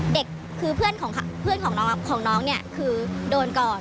เด็กคือเพื่อนของน้องนี่คือโดนก่อน